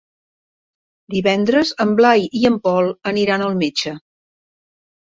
Divendres en Blai i en Pol aniran al metge.